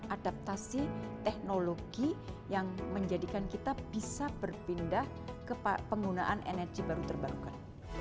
adaptasi teknologi yang menjadikan kita bisa berpindah ke penggunaan energi baru terbarukan